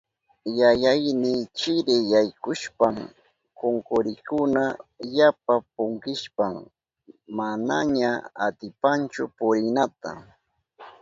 Yayayni chiri yaykushpan kunkurinkuna yapa punkishpan manaña atipanchu purinata.